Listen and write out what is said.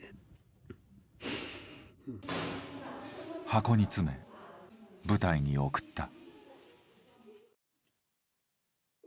箱に詰め、部隊に送った。